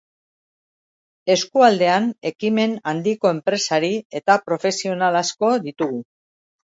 Eskualdean ekimen handiko enpresari eta profesional asko ditugu.